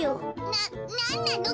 ななんなの！？